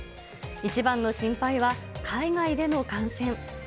一番の心配は、海外での感染。